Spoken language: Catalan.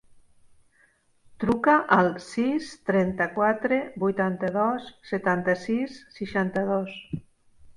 Truca al sis, trenta-quatre, vuitanta-dos, setanta-sis, seixanta-dos.